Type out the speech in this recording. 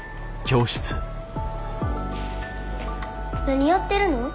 何やってるの？